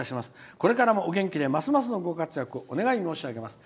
これからもお元気でますますのご活躍をお願い申し上げます。